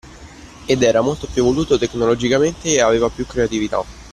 Ed era molto più evoluto tecnologicamente e aveva più creatività.